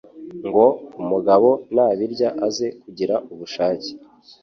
ngo umugabo nabirya aze kugira ubushake